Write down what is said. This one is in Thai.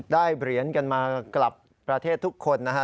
ได้เหรียญกันมากลับประเทศทุกคนนะฮะ